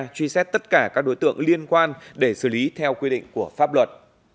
truy xét tất cả các đối tượng liên quan để xử lý theo quy định của pháp luật